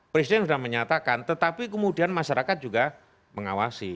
presiden sudah menyatakan tetapi kemudian masyarakat juga mengawasi